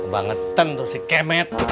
bangetan tuh si kemet